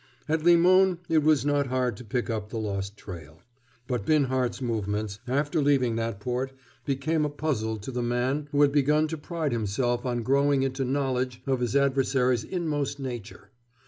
At Limon it was not hard to pick up the lost trail. But Binhart's movements, after leaving that port, became a puzzle to the man who had begun to pride himself on growing into knowledge of his adversary's inmost nature.